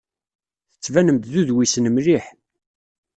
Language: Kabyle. Tettbanem-d d udwisen mliḥ!